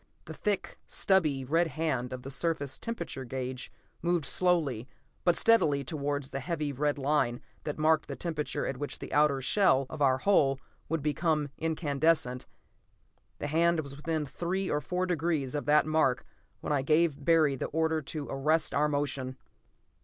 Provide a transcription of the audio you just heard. The thick, stubby red hand of the surface temperature gauge moved slowly but steadily towards the heavy red line that marked the temperature at which the outer shell of our hull would become incandescent. The hand was within three or four degrees of that mark when I gave Barry the order to arrest our motion.